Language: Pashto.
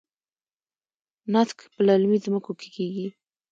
نسک په للمي ځمکو کې کیږي.